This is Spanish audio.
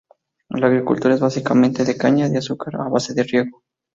La agricultura es básicamente de caña de azúcar a base de riego.